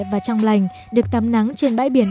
và trong lành được tắm nắng trên bãi biển